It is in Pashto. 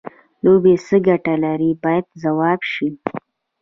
لوبې څه ګټه لري باید ځواب شي.